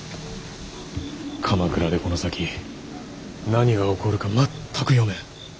鎌倉でこの先何が起こるか全く読めん。